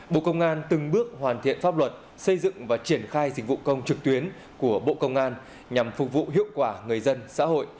bộ công an từng bước hoàn thiện pháp luật xây dựng và triển khai dịch vụ công trực tuyến của bộ công an nhằm phục vụ hiệu quả người dân xã hội